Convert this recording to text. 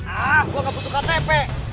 ah gue gak butuh ktp